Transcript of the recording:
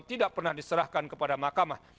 tidak pernah diserahkan kepada mahkamah